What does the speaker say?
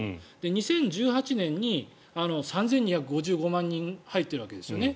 ２０１８年に３２５５万人入ってるわけですね。